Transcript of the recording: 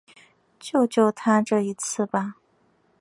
救救他这一次吧